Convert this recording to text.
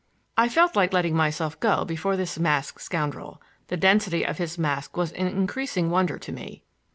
I felt like letting myself go before this masked scoundrel. The density of his mask was an increasing wonder to me.